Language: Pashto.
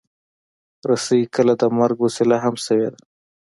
رسۍ کله د مرګ وسیله هم شوې ده.